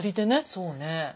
そうね。